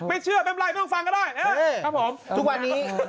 ไม่เชื่อเป็นไรไม่ต้องฟังก็ได้